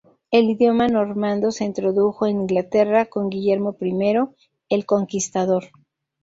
El idioma normando se introdujo en Inglaterra con Guillermo I "El conquistador".